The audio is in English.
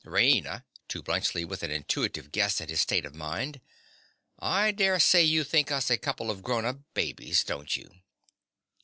RAINA. (to Bluntschli with an intuitive guess at his state of mind). I daresay you think us a couple of grown up babies, don't you?